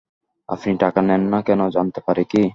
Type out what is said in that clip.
আপনি টাকা নেন না কেন, জানতে পারি কি?